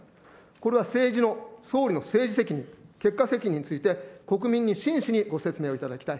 これは政治の、総理の政治責任、結果責任について、国民に真摯にご説明をいただきたい。